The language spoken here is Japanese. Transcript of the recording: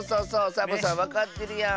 サボさんわかってるやん。